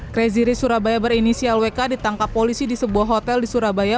craziri surabaya berinisial wk ditangkap polisi di sebuah hotel di surabaya